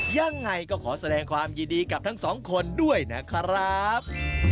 ยังไงก็ขอแสดงความยินดีกับทั้งสองคนด้วยนะครับ